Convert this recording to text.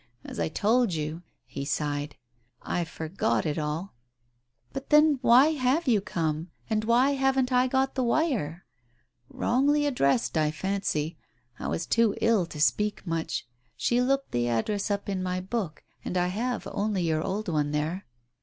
As I told you" — he sighed — "I forgot it all. ..." "But then why have you come, and why haven't I got the wire ?" "Wrongly addressed, I fancy. I was too ill to speak much. She looked the address up in my book and I have only your old one there."